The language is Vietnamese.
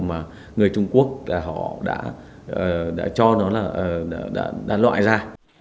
mà người trung quốc là họ đã cho nó là đã loại ra